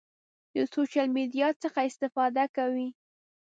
د سوشل میډیا څخه استفاده کوئ؟